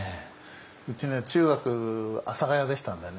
うちね中学阿佐ヶ谷でしたんでね。